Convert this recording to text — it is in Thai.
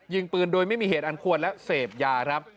ยิงปืนโดยไม่มีเหตุอันควรและเสพยาครับ